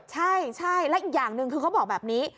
ใช่และอีกอย่างหนึ่งคือเขาบอกแบบนี้